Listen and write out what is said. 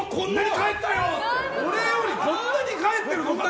俺より、こんなにかえってると。